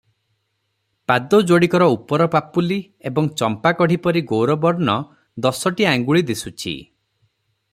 ପାଦ ଯୋଡିକର ଉପର ପାପୁଲି ଏବଂ ଚମ୍ପାକଢି ପରି ଗୌରବର୍ଣ୍ଣ ଦଶଟି ଆଙ୍ଗୁଳି ଦିଶୁଛି ।